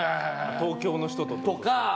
東京の人と。